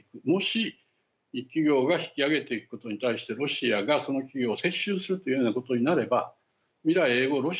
もし、企業が引き揚げていくことに対してロシアが、その企業を接収するというようなことになれば未来永ごう